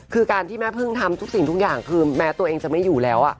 คือการที่แม่พึ่งทำทุกสิ่งทุกอย่างคือแม้ตัวเองจะไม่อยู่แล้ว